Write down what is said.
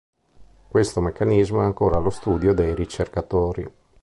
Questo meccanismo è ancora allo studio dei ricercatori.